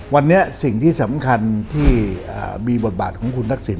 วันนี้สิ่งที่สำคัญที่มีบทบาทของคุณทักษิณ